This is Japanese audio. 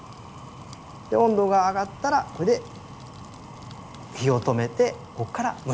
温度が上がったらこれで火を止めてここから蒸らしです。